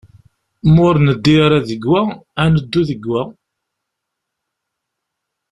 Ma ur neddi ara deg wa, ad neddu deg wa.